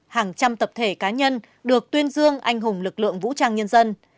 hàng trăm tập thể cá nhân được tuyên dương anh hùng lực lượng vũ trang nhân dân